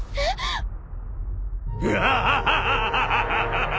フハハハ！